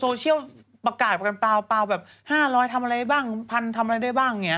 โซเชียลประกาศประกาศเปล่าแบบ๕๐๐ทำอะไรบ้างพันธุ์ทำอะไรได้บ้างเนี่ย